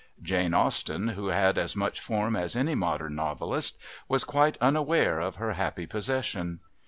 Jane Austen, who had as much form as any modern novelist, was quite unaware of her happy possession.